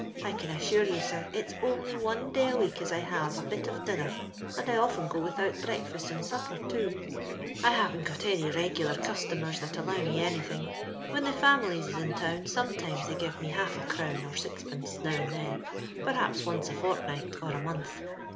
I can assure you, sir, it's only one day a week as I have a bit of dinner^ and I often go without breakfast and anpper, too. «" I haveat got any regolar eoatometa that LONDON LABOUR AND THE LONDON POOR, •LVo allow me anytlung. When the funilies is in town sometimes they give me half a crown, or sixpence, now and then, perhaps once a fort night, or a month.